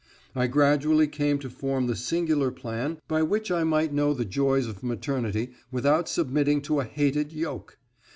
I gradually came to form the singular plan by which I might know the joys of maternity without submitting to a hated yoke.